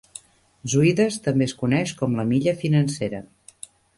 Zuidas també es coneix com la "Milla financera".